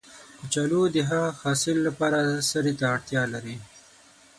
کچالو د ښه حاصل لپاره سرې ته اړتیا لري